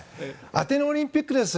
アテネオリンピックです。